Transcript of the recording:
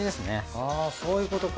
あぁそういうことか。